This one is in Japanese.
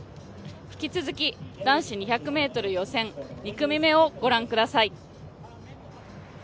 引き続き男子２００ｍ予選２組目をご覧ください。